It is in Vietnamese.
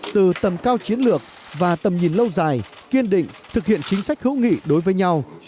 từ tầm cao chiến lược và tầm nhìn lâu dài kiên định thực hiện chính sách hữu nghị đối với nhau